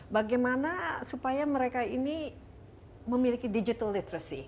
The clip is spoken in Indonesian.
bagaimana supaya mereka ini memiliki digital literacy